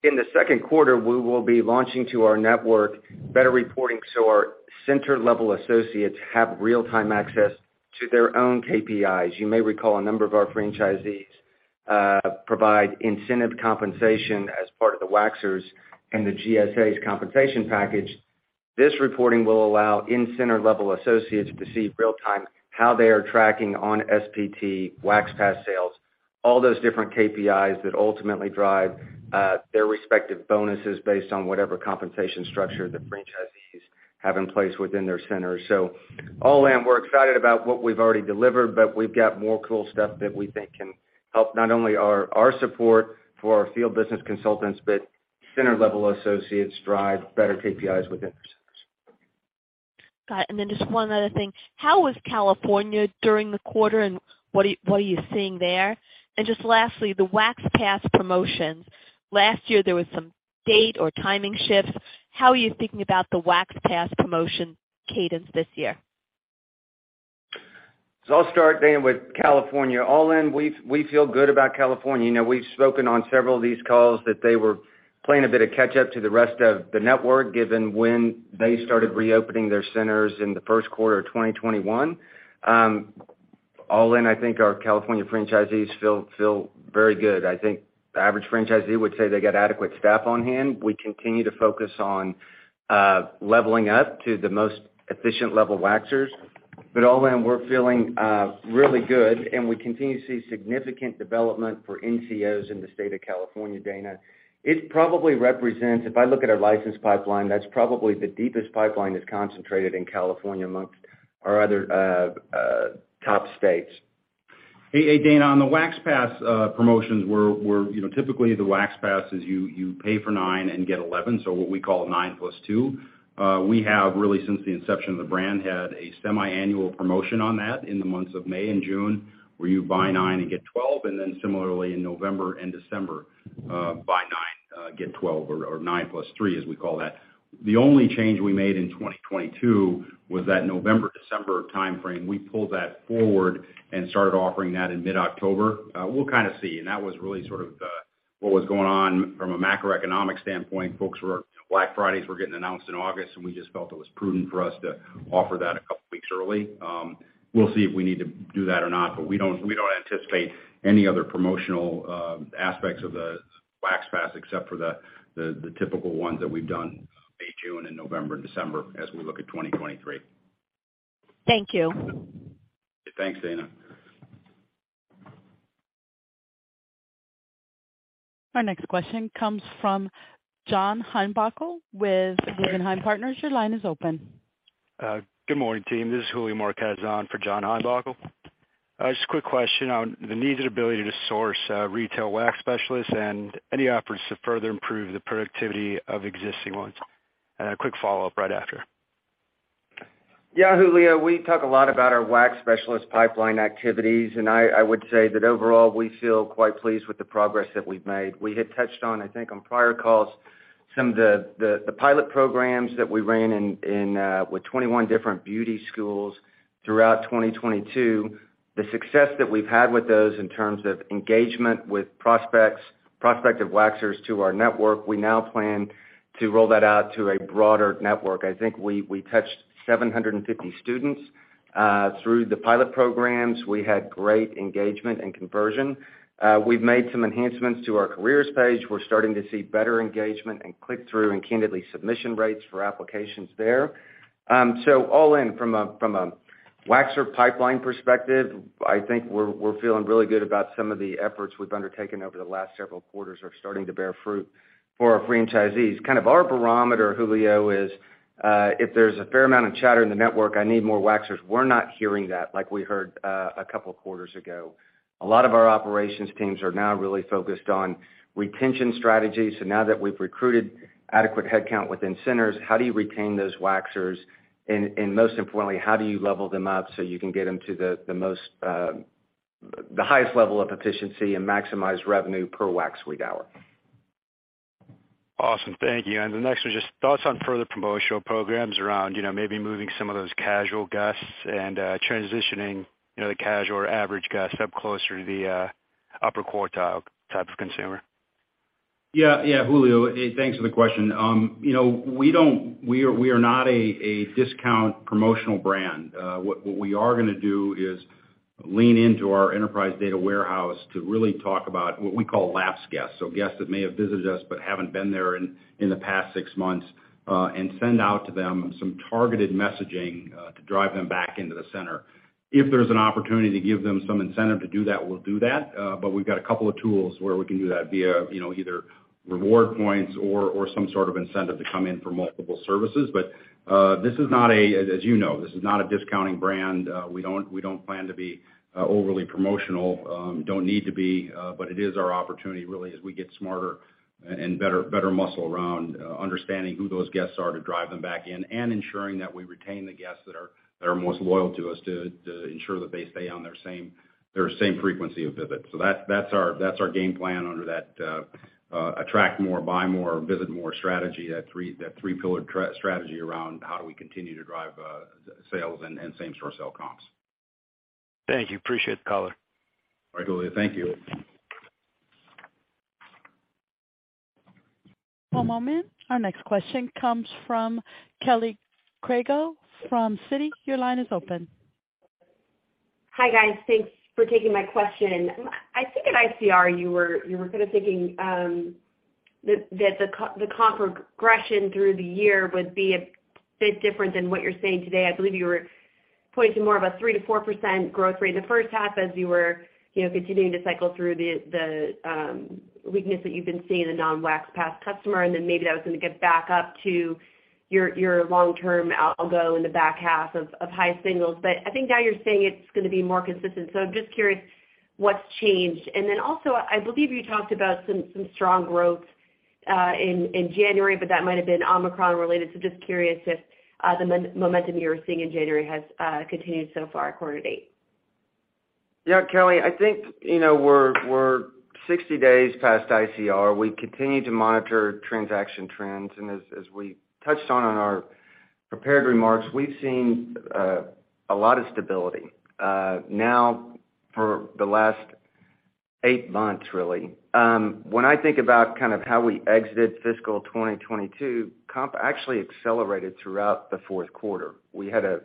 In the second quarter, we will be launching to our network better reporting so our center-level associates have real-time access to their own KPIs. You may recall a number of our franchisees provide incentive compensation as part of the waxers and the GSAs compensation package. This reporting will allow in-center level associates to see real time how they are tracking on S Wax Pass sales, all those different KPIs that ultimately drive their respective bonuses based on whatever compensation structure the franchisees have in place within their centers. All in, we're excited about what we've already delivered, but we've got more cool stuff that we think can help not only our support for our field business consultants, but center-level associates drive better KPIs within their centers. Got it. Then just one other thing. How was California during the quarter, and what are you seeing there? Just lastly, the Wax Pass promotions. Last year, there was some date or timing shifts. How are you thinking about the Wax Pass promotion cadence this year? I'll start, Dana, with California. All in, we feel good about California. You know, we've spoken on several of these calls that they were playing a bit of catch up to the rest of the network given when they started reopening their centers in the first quarter of 2021. All in, I think our California franchisees feel very good. I think the average franchisee would say they got adequate staff on hand. We continue to focus on leveling up to the most efficient level waxers. All in, we're feeling really good, and we continue to see significant development for NCOs in the state of California, Dana. If I look at our license pipeline, that's probably the deepest pipeline that's concentrated in California amongst our other top states. Hey, hey, Dana, on the Wax Pass promotions, you know, typically, the Wax Pass is you pay for 9 and get 11, so what we call nine plus two. We have really, since the inception of the brand, had a semiannual promotion on that in the months of May and June, where you buy 9 and get 12, similarly in November and December, buy 9, get 12, or 9 + 3, as we call that. The only change we made in 2022 was that November, December timeframe, we pulled that forward and started offering that in mid-October. We'll kind of see, that was really sort of what was going on from a macroeconomic standpoint. Folks Black Fridays were getting announced in August. We just felt it was prudent for us to offer that a couple weeks early. We'll see if we need to do that or not, but we don't anticipate any other promotional aspects of the Wax Pass except for the typical ones that we've done May, June and November and December as we look at 2023. Thank you. Thanks, Dana. Our next question comes from John Heinbockel with Ladenburg Thalmann. Your line is open. Good morning, team. This is Julio Marcilla for John Heinbockel. Just a quick question on the needed ability to source, retail wax specialists and any efforts to further improve the productivity of existing ones. A quick follow-up right after. Yeah, Julio, I would say that overall, we feel quite pleased with the progress that we've made. We had touched on, I think, on prior calls some of the pilot programs that we ran with 21 different beauty schools throughout 2022. The success that we've had with those in terms of engagement with prospects, prospective waxers to our network, we now plan to roll that out to a broader network. I think we touched 750 students through the pilot programs. We had great engagement and conversion. We've made some enhancements to our careers page. We're starting to see better engagement and click-through and candidly submission rates for applications there. All in, from a, from a waxer pipeline perspective, I think we're feeling really good about some of the efforts we've undertaken over the last several quarters are starting to bear fruit for our franchisees. Kind of our barometer, Julio, is if there's a fair amount of chatter in the network, I need more waxers. We're not hearing that like we heard a couple of quarters ago. A lot of our operations teams are now really focused on retention strategy. Now that we've recruited adequate headcount within centers, how do you retain those waxers? And most importantly, how do you level them up so you can get them to the most, the highest level of efficiency and maximize revenue per wax week hour? Awesome. Thank you. The next one, just thoughts on further promotional programs around, you know, maybe moving some of those casual guests and, transitioning, you know, the casual or average guest up closer to the. upper quartile type of consumer? Yeah, yeah, Julio, thanks for the question. You know, we are not a discount promotional brand. What we are gonna do is lean into our enterprise data warehouse to really talk about what we call lapsed guests, so guests that may have visited us but haven't been there in the past six months, and send out to them some targeted messaging to drive them back into the center. If there's an opportunity to give them some incentive to do that, we'll do that, but we've got a couple of tools where we can do that via, you know, either reward points or some sort of incentive to come in for multiple services. This is not a, as you know, this is not a discounting brand. be overly promotional. Don't need to be, but it is our opportunity really as we get smarter and better muscle around understanding who those guests are to drive them back in and ensuring that we retain the guests that are most loyal to us to ensure that they stay on their same frequency of visits. That's our game plan under that attract more, buy more, visit more strategy, that 3-pillared strategy around how do we continue to drive sales and same-store sale comps Thank you. Appreciate the call. All right, Julio. Thank you. One moment. Our next question comes from Kelly Kago from Citi. Your line is open. Hi, guys. Thanks for taking my question. I think at you were sort of thinking that the comp progression through the year would be a bit different than what you're saying today. I believe you were pointing to more of a 3%-4% growth rate in the first half as you were, you know, continuing to cycle through the weakness that you've been seeing in the non-Wax Pass customer, and then maybe that was gonna get back up to your long-term algo in the back half of high singles. I think now you're saying it's gonna be more consistent. I'm just curious what's changed. Also, I believe you talked about some strong growth in January, but that might have been Omicron related. Just curious if the momentum you were seeing in January has continued so far quarter to date? Yeah, Kelly, I think, you know, we're 60 days past ICR. We continue to monitor transaction trends. As we touched on in our prepared remarks, we've seen a lot of stability now for the last 8 months really. When I think about kind of how we exited fiscal 2022, comp actually accelerated throughout the fourth quarter. We had a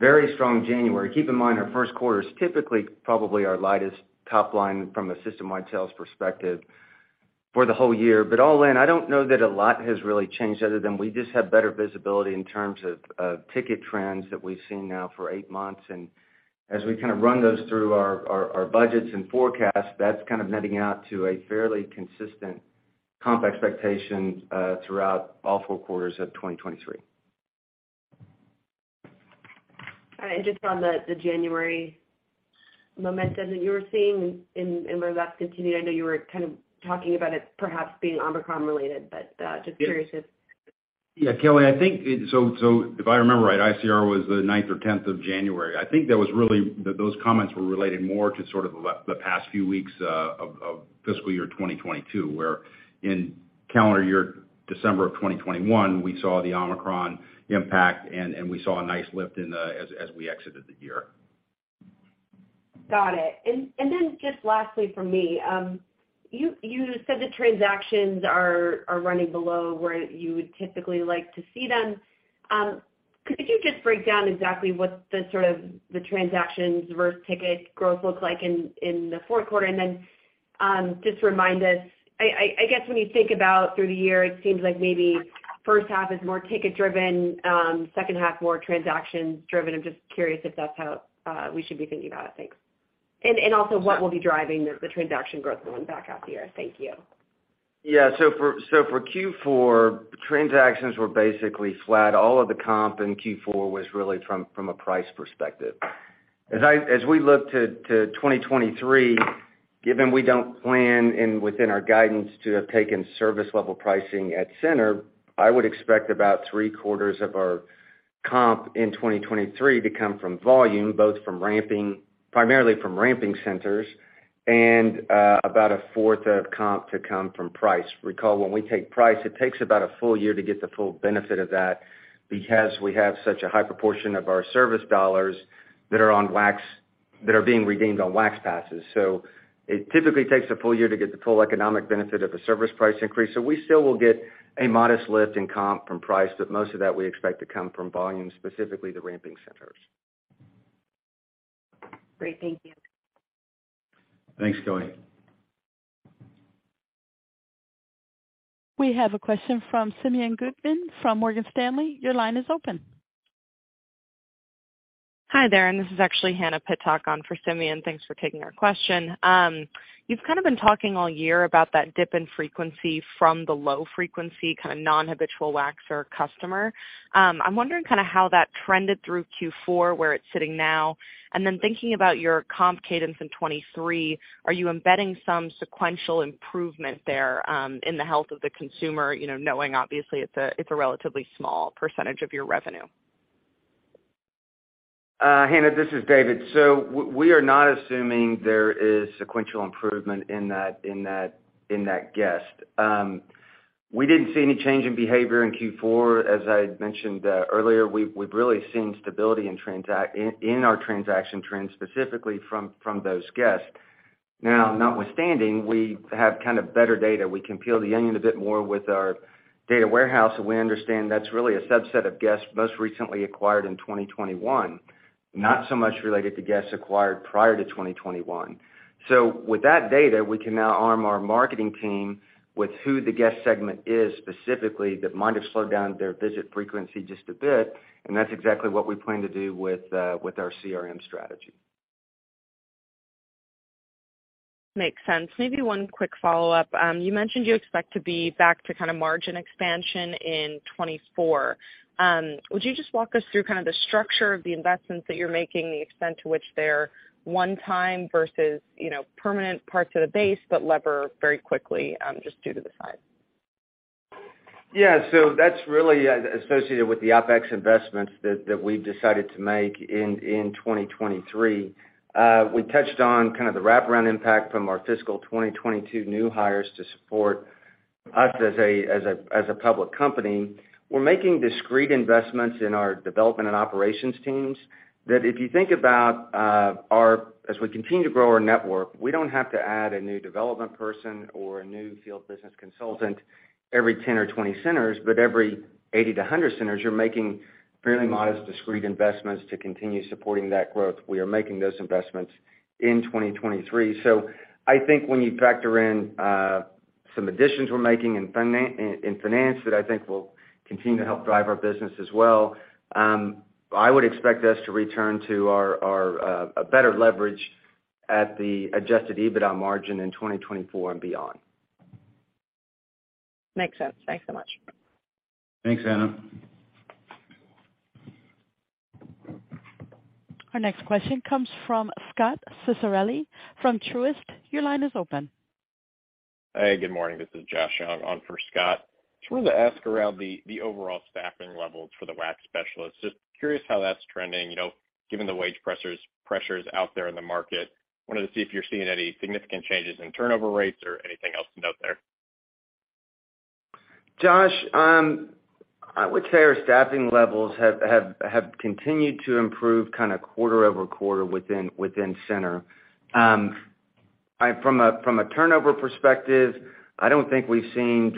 very strong January. Keep in mind our 1st quarter is typically probably our lightest top line from a system-wide sales perspective for the whole year. All in, I don't know that a lot has really changed other than we just have better visibility in terms of ticket trends that we've seen now for 8 months. as we kind of run those through our, our budgets and forecasts, that's kind of netting out to a fairly consistent comp expectation, throughout all four quarters of 2023. All right. Just on the January momentum that you were seeing and whether that's continued, I know you were kind of talking about it perhaps being Omicron related, but, just curious? Yeah, Kelly, I think if I remember right, ICR was the ninth or tenth of January. I think that was really that those comments were related more to sort of the past few weeks of fiscal year 2022, where in calendar year December of 2021, we saw the Omicron impact and we saw a nice lift in the as we exited the year. Got it. Then just lastly from me, you said the transactions are running below where you would typically like to see them. Could you just break down exactly what the sort of the transactions versus ticket growth looked like in the fourth quarter? Then just remind us, I guess when you think about through the year, it seems like maybe first half is more ticket-driven, second half more transaction-driven. I'm just curious if that's how we should be thinking about it. Thanks. Also what will be driving the transaction growth going back half year. Thank you. For Q4, transactions were basically flat. All of the comp in Q4 was really from a price perspective. As we look to 2023, given we don't plan in within our guidance to have taken service level pricing at center, I would expect about 3/4 of our comp in 2023 to come from volume, both primarily from ramping centers and about 1/4 of comp to come from price. Recall, when we take price, it takes about a full year to get the full benefit of that because we have such a high proportion of our service dollars that are being redeemed on Wax Passes. It typically takes a full year to get the full economic benefit of a service price increase, so we still will get a modest lift in comp from price, but most of that we expect to come from volume, specifically the ramping centers. Great. Thank you. Thanks, Kelly. We have a question from Hannah Pittock from Morgan Stanley. Your line is open. Hi there. This is actually Hannah Pidcock on for Simeon. Thanks for taking our question. You've kind of been talking all year about that dip in frequency from the low frequency, kind of non-habitual waxer customer. I'm wondering kind of how that trended through Q4, where it's sitting now. Then thinking about your comp cadence in 23, are you embedding some sequential improvement there, in the health of the consumer, you know, knowing obviously it's a, it's a relatively small percentage of your revenue? Hannah, this is David. We are not assuming there is sequential improvement in that guest. We didn't see any change in behavior in Q4. As I had mentioned earlier, we've really seen stability in our transaction trends, specifically from those guests. Now, notwithstanding, we have kind of better data. We can peel the onion a bit more with our data warehouse, and we understand that's really a subset of guests most recently acquired in 2021, not so much related to guests acquired prior to 2021. With that data, we can now arm our marketing team with who the guest segment is specifically that might have slowed down their visit frequency just a bit, and that's exactly what we plan to do with our CRM strategy. Makes sense. Maybe one quick follow-up. You mentioned you expect to be back to kind of margin expansion in 2024. Would you just walk us through kind of the structure of the investments that you're making, the extent to which they're one-time versus, you know, permanent parts of the base, but lever very quickly, just due to the size? Yeah. That's really associated with the OpEx investments that we've decided to make in 2023. We touched on kind of the wraparound impact from our fiscal 2022 new hires to support us as a public company. We're making discrete investments in our development and operations teams that if you think about as we continue to grow our network, we don't have to add a new development person or a new field Business Consultant every 10 or 20 centers, but every 80 to 100 centers, you're making fairly modest, discrete investments to continue supporting that growth. We are making those investments in 2023. I think when you factor in some additions we're making in finance that I think will continue to help drive our business as well, I would expect us to return to our a better leverage at the Adjusted EBITDA margin in 2024 and beyond. Makes sense. Thanks so much. Thanks, Anna. Our next question comes from Scot Ciccarelli from Truist. Your line is open. Hey, good morning. This is Josh Young on for Scott. Just wanted to ask around the overall staffing levels for the wax specialists. Just curious how that's trending, you know, given the wage pressures out there in the market. Wanted to see if you're seeing any significant changes in turnover rates or anything else to note there. Josh, I would say our staffing levels have continued to improve kinda quarter over quarter within center. From a turnover perspective, I don't think we've seen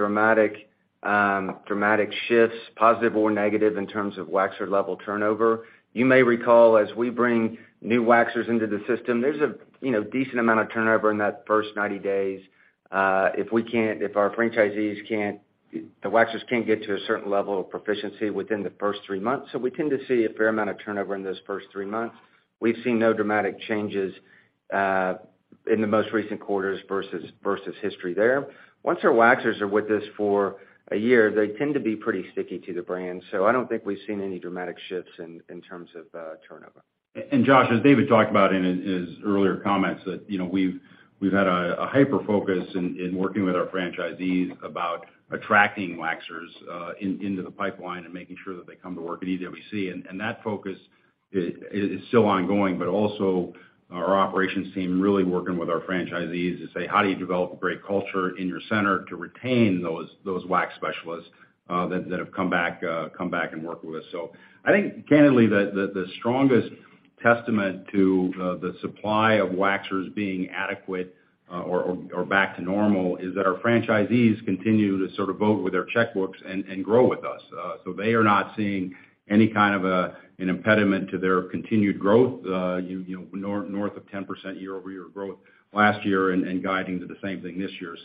dramatic shifts, positive or negative, in terms of waxer level turnover. You may recall as we bring new waxers into the system, there's a, you know, decent amount of turnover in that first 90 days, if our franchisees can't, the waxers can't get to a certain level of proficiency within the first three months. We tend to see a fair amount of turnover in those first three months. We've seen no dramatic changes in the most recent quarters versus history there. Once our waxers are with us for a year, they tend to be pretty sticky to the brand. I don't think we've seen any dramatic shifts in terms of turnover. Josh, as David talked about in his earlier comments that, you know, we've had a hyper-focus in working with our franchisees about attracting waxers into the pipeline and making sure that they come to work at EWC. That focus is still ongoing, but also our operations team really working with our franchisees to say, "How do you develop a great culture in your center to retain those wax specialists that have come back and work with us?" I think candidly the strongest testament to the supply of waxers being adequate or back to normal is that our franchisees continue to sort of vote with their checkbooks and grow with us. They are not seeing any kind of an impediment to their continued growth, you know, north of 10% year-over-year growth last year and guiding to the same thing this year.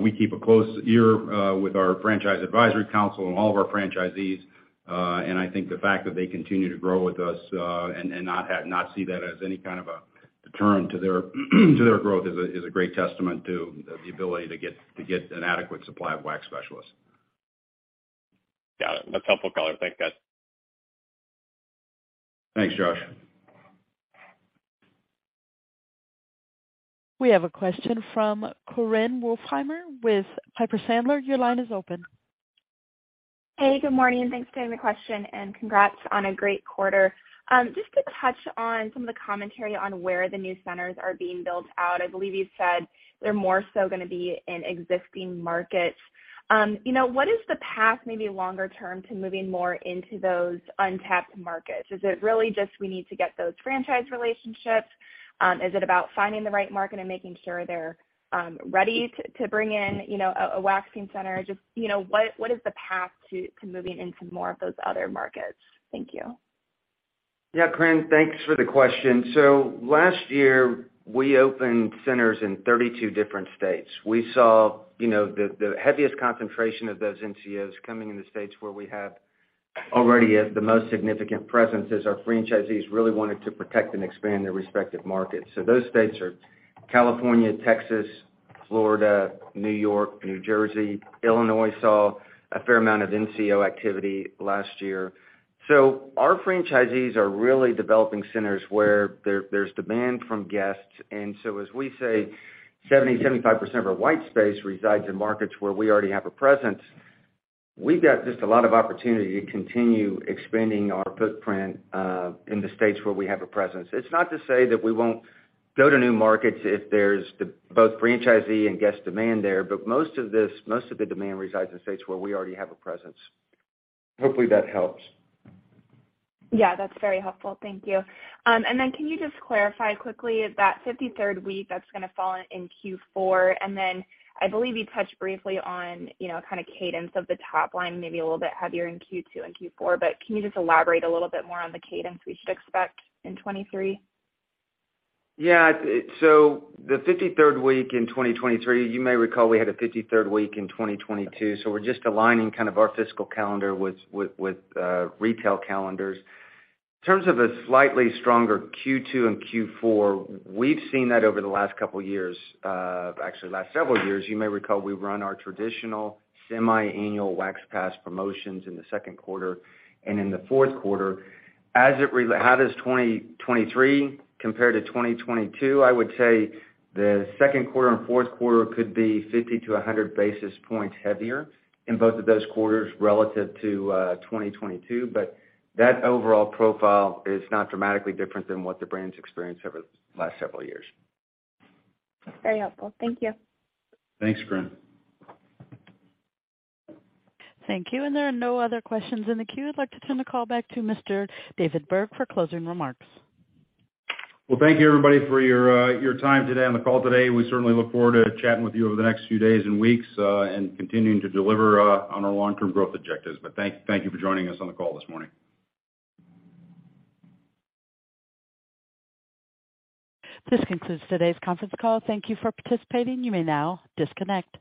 We keep a close ear with our Franchise Advisory Council and all of our franchisees, and I think the fact that they continue to grow with us and not see that as any kind of a deterrent to their growth is a great testament to the ability to get an adequate supply of wax specialists. Got it. That's helpful color. Thank you, guys. Thanks, Josh. We have a question from Korinne Wolfmeyer with Piper Sandler. Your line is open. Hey, good morning, and thanks for taking the question, and congrats on a great quarter. Just to touch on some of the commentary on where the new centers are being built out. I believe you said they're more so gonna be in existing markets. You know, what is the path maybe longer term to moving more into those untapped markets? Is it really just we need to get those franchise relationships? Is it about finding the right market and making sure they're ready to bring in, you know, a waxing center? Just, you know, what is the path to moving into more of those other markets? Thank you. Yeah, Korinne, thanks for the question. Last year, we opened centers in 32 different states. We saw, you know, the heaviest concentration of those NCOs coming in the states where we have already at the most significant presence as our franchisees really wanted to protect and expand their respective markets. Those states are California, Texas, Florida, New York, New Jersey. Illinois saw a fair amount of NCO activity last year. Our franchisees are really developing centers where there's demand from guests. As we say, 70%-75% of our white space resides in markets where we already have a presence. We've got just a lot of opportunity to continue expanding our footprint in the states where we have a presence. It's not to say that we won't go to new markets if there's both franchisee and guest demand there. Most of the demand resides in states where we already have a presence. Hopefully that helps. Yeah, that's very helpful. Thank you. Can you just clarify quickly that 53rd week that's gonna fall in Q4? I believe you touched briefly on, you know, kinda cadence of the top line, maybe a little bit heavier in Q2 and Q4, but can you just elaborate a little bit more on the cadence we should expect in 2023? Yeah. The 53rd week in 2023, you may recall we had a 53rd week in 2022, we're just aligning kind of our fiscal calendar with retail calendars. In terms of a slightly stronger Q2 and Q4, we've seen that over the last two years, actually last several years. You may recall we run our traditional semi-annual Wax Pass promotions in the second quarter and in the fourth quarter. How does 2023 compare to 2022? I would say the second quarter and fourth quarter could be 50 to 100 basis points heavier in both of those quarters relative to 2022. That overall profile is not dramatically different than what the brand's experienced over the last several years. Very helpful. Thank you. Thanks, Korinne. Thank you. There are no other questions in the queue. I'd like to turn the call back to Mr. David Berg for closing remarks. Thank you, everybody, for your time today on the call today. We certainly look forward to chatting with you over the next few days and weeks, and continuing to deliver on our long-term growth objectives. Thank you for joining us on the call this morning. This concludes today's conference call. Thank you for participating. You may now disconnect.